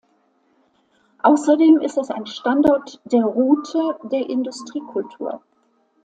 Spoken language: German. Außerdem ist es ein Standort der Route der Industriekultur.